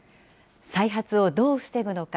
再発をどう防ぐのか。